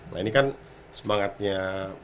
nah ini kan semangatnya